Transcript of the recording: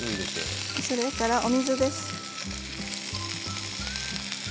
それからお水です。